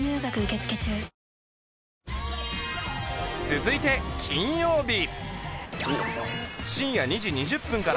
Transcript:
続いて金曜日。